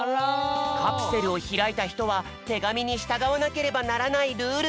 カプセルをひらいたひとはてがみにしたがわなければならないルール！